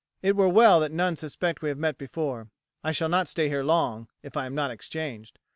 "It were well that none suspect we have met before. I shall not stay here long if I am not exchanged.